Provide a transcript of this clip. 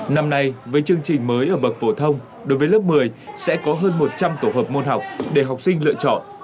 năm nay với chương trình mới ở bậc phổ thông đối với lớp một mươi sẽ có hơn một trăm linh tổ hợp môn học để học sinh lựa chọn